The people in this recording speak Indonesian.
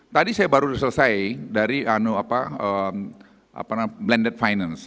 tadi saya baru selesai dari blended finance